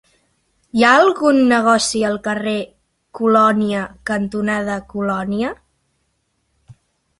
Hi ha algun negoci al carrer Colònia cantonada Colònia?